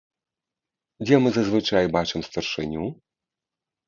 Дзе мы зазвычай бачым старшыню?